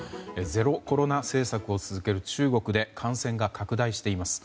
ゼロコロナ政策を続ける中国で感染が拡大しています。